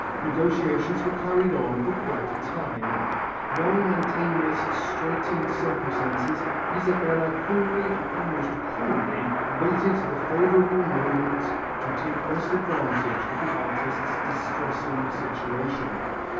Negotiations were carried on for quite a time. Knowing Mantegna's straightened circumstances, Isabella coolly and almost cruelly waited the favourable moment to take best advantage of the artist's distressing situation.